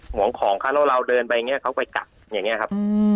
หวงของค่ะแล้วเราเดินไปเขาก็ไปกัดอย่างนี้ครับ